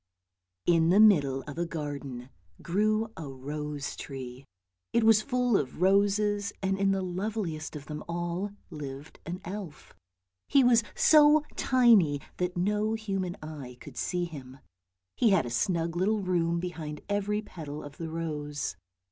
IN the middle of a garden grew a rose tree; it was full of roses, and in the loveliest of them all lived an elf. He was so tiny that no human eye could see him. He had a snug little room behind every petal of the rose.